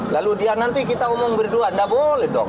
lalu dia nanti kita omong berdua nggak boleh dong